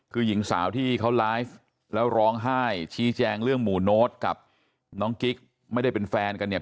คือหญิงสาวที่เขาไลฟ์แล้วร้องไห้ชี้แจงเรื่องหมู่โน้ตกับน้องกิ๊กไม่ได้เป็นแฟนกันเนี่ย